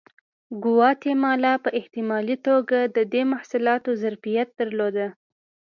ګواتیمالا په احتمالي توګه د دې محصولاتو ظرفیت درلود.